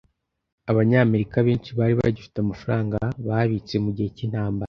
abanyamerika benshi bari bagifite amafaranga babitse mugihe cyintambara